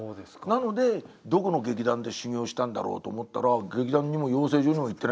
なのでどこの劇団で修業したんだろうと思ったら劇団にも養成所にも行ってないんでしょ？